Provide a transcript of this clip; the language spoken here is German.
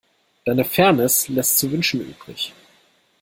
Deine Fairness lässt zu wünschen übrig.